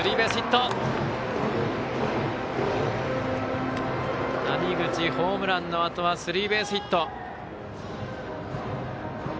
谷口ホームランのあとはスリーベースヒット。